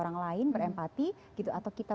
orang lain berempati gitu atau kita